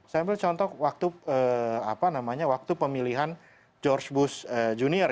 saya ambil contoh waktu pemilihan george bush junior